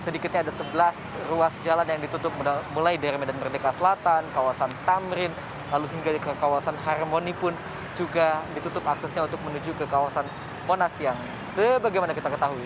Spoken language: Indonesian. sedikitnya ada sebelas ruas jalan yang ditutup mulai dari medan merdeka selatan kawasan tamrin lalu hingga ke kawasan harmoni pun juga ditutup aksesnya untuk menuju ke kawasan monas yang sebagaimana kita ketahui